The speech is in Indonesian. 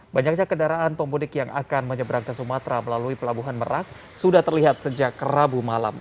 banyaknya kendaraan pemudik yang akan menyeberang ke sumatera melalui pelabuhan merak sudah terlihat sejak rabu malam